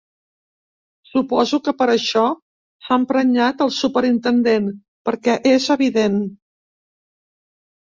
Suposo que per això s'ha emprenyat el superintendent, perquè és evident.